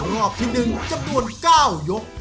รอบที่๑จำนวน๙ยก